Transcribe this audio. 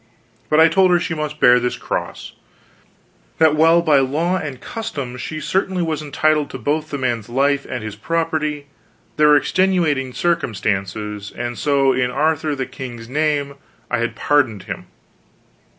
But I told her she must bear this cross; that while by law and custom she certainly was entitled to both the man's life and his property, there were extenuating circumstances, and so in Arthur the king's name I had pardoned him.